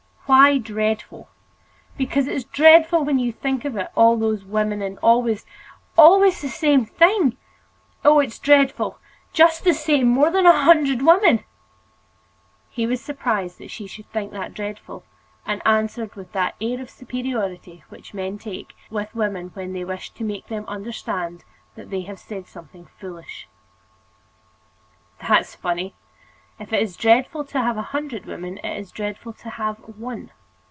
"Why dreadful?" "Because it's dreadful when you think of it—all those women—and always—always the same thing. Oh! it's dreadful, just the same—more than a hundred women!" He was surprised that she should think that dreadful, and answered, with the air of superiority which men take with women when they wish to make them understand that they have said something foolish: "That's funny! If it is dreadful to have a hundred women, it's dreadful to have one."